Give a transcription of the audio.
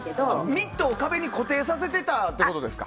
ミットを壁に固定させてたってことですか？